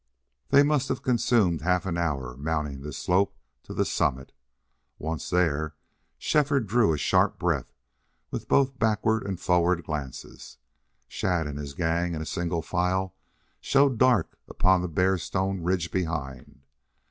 They must have consumed half an hour mounting this slope to the summit. Once there, Shefford drew a sharp breath with both backward and forward glances. Shadd and his gang, in single file, showed dark upon the bare stone ridge behind.